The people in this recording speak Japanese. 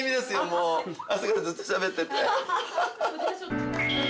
もう朝からずっとしゃべってて。